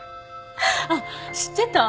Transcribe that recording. あっ知ってた？